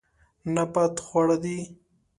نبات خواړه دي.